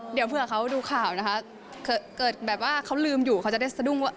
เดี๋ยวเพื่อหากเขาดูข่าวนะฮะเขาลืมอยู่เขาจะได้ดุ้งว่า